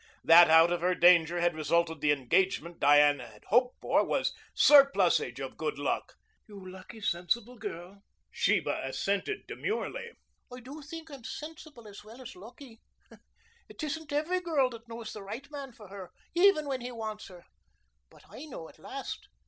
That out of her danger had resulted the engagement Diane had hoped for was surplusage of good luck. "You lucky, sensible girl." Sheba assented demurely. "I do think I'm sensible as well as lucky. It isn't every girl that knows the right man for her even when he wants her. But I know at last.